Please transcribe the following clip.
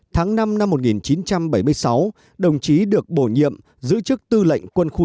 tháng năm năm một nghìn chín trăm bảy mươi sáu đồng chí được bổ nhiệm giữ chức tư lệnh quân khu chín